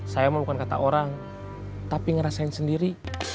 saya emang bukan kata orang tapi ngerasain sendiri